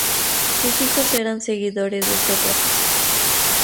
Sus hijos eran seguidores de Sócrates.